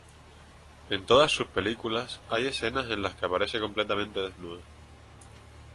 En todas sus películas hay escenas en las que aparece completamente desnuda.